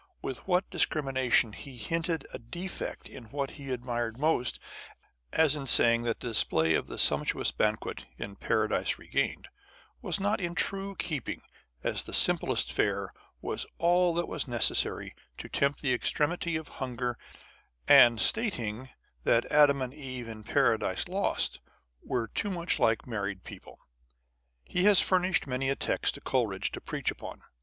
With what dis crimination he hinted a defect in what he admired most as in saying that the display of the sumptuous banquet in Paradise Regained was not in true keeping, as the simplest fare was all that was necessary to tempt the extremity of hunger â€" and stating that Adam and Eve in Paradise Lost were too much like married people. He has furnished many a text for Coleridge to preach upon.